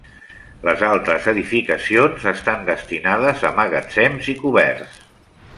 Les altres edificacions estan destinades a magatzems i coberts.